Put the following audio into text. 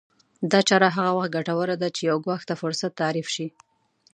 دا چاره هغه وخت ګټوره ده چې يو ګواښ ته فرصت تعريف شي.